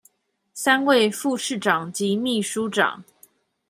三位副市長及秘書長